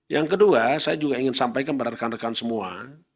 yang kedua saya juga ingin sampaikan kepada rekan rekan semua